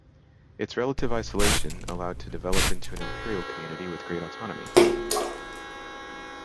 Its relative isolation allowed to develop into an Imperial community with great autonomy.